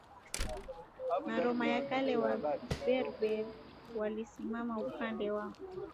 na Roma ya Kale Waberber walisimama upande wa